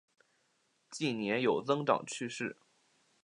近年有增长倾向。